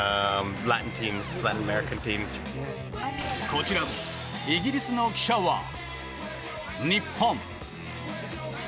こちらのイギリスの記者は日本。